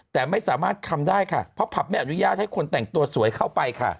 แต่ไม่สามารถทำได้ค่ะเพราะผับไม่อนุญาตให้คนแต่งตัวสวยเข้าไปค่ะ